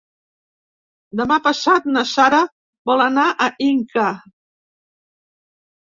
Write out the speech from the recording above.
Demà passat na Sara vol anar a Inca.